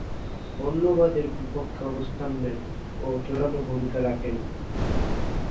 বর্ণবাদের বিপক্ষে অবস্থান নেন ও জোড়ালো ভূমিকা রাখেন।